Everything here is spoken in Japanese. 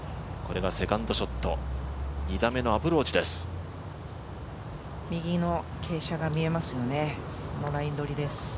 これがセカンドショット２打目のアプローチです。